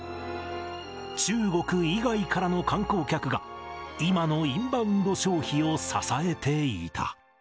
中国以外からの観光客が、今のインバウンド消費を支えていた。